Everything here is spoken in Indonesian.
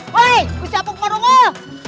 woy gusti amuk pak rukul